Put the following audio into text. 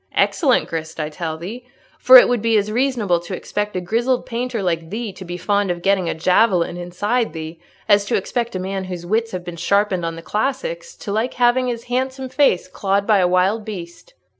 "Excellent grist, I tell thee. For it would be as reasonable to expect a grizzled painter like thee to be fond of getting a javelin inside thee as to expect a man whose wits have been sharpened on the classics to like having his handsome face clawed by a wild beast."